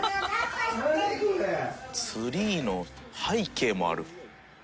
ツリーの背景もある。